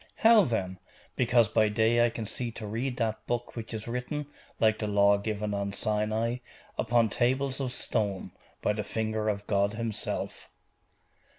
'How, then?' 'Because by day I can see to read that book which is written, like the Law given on Sinai, upon tables of stone, by the finger of God Himself.